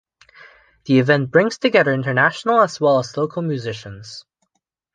The event brings together international as well as local musicians.